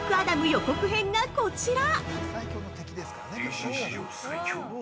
予告編がこちら！